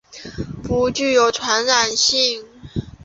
不具有传染性。